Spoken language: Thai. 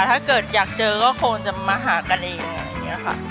ถ้าเกิดอยากเจอก็คงจะมาหากันเองอะไรอย่างนี้ค่ะ